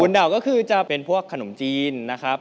ดาวก็คือจะเป็นพวกขนมจีนนะครับ